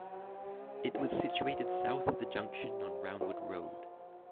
It was situated south of the junction on Roundwood Road.